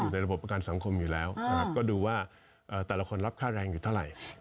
ในระบบประกันสังคมอยู่แล้วก็ดูว่าแต่ละคนรับค่าแรงอยู่เท่าไหร่